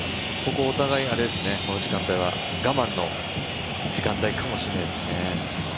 ここはお互い、この時間帯は我慢の時間帯かもしれないですね。